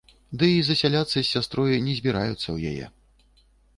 Ды і засяляцца з сястрой не збіраюцца ў яе.